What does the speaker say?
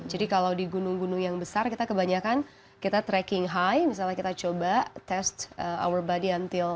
jadi kalau di gunung gunung yang besar kita kebanyakan kita trekking high misalnya kita coba test our body and think